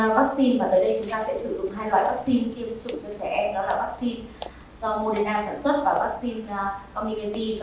phản ứng sau tiêm vắc xin và tới đây chúng ta sẽ sử dụng hai loại vắc xin tiêm chủng cho trẻ em